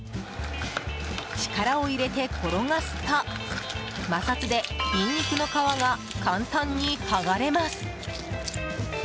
力を入れて転がすと摩擦でニンニクの皮が簡単に剥がれます。